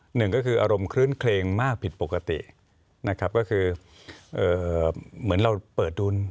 หนึ่งก็คืออารมณ์คลื้นเคลงมากผิดปกตินะครับก็คือเหมือนเราเปิดดุล